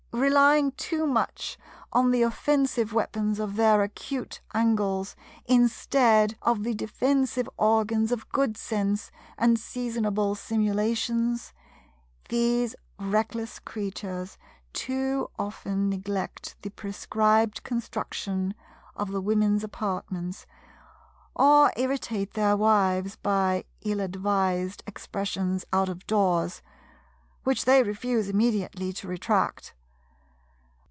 Relying too much on the offensive weapons of their acute angles instead of the defensive organs of good sense and seasonable simulations, these reckless creatures too often neglect the prescribed construction of the women's apartments, or irritate their wives by ill advised expressions out of doors, which they refuse immediately to retract.